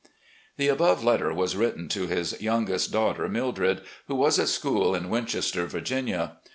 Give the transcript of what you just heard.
The above letter was written to his youngest daughter, Mildred, who was at school in Winchester, Virginia.